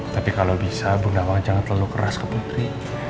tapi kalau bisa bunda uang jangan terlalu keras ke putri